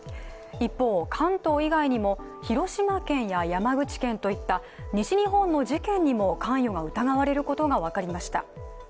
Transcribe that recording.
一方、関東以外にも広島県や山口県といった西日本の事件にも関与が疑われることが分かりました。